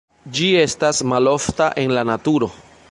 Ĝi estas malofta en la naturo.